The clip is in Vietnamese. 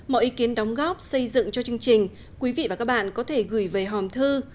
mọi ý kiến đóng góp xây dựng cho chương trình quý vị và các bạn có thể gửi về hòm thư